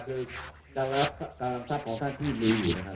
เมืองอัศวินธรรมดาคือสถานที่สุดท้ายของเมืองอัศวินธรรมดา